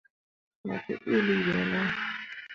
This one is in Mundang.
Mo gbǝ ɓilli ɓe ne ?